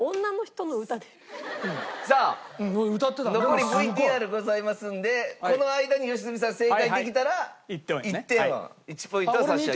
残りＶＴＲございますんでこの間に良純さん正解できたら１点は１ポイントは差し上げます。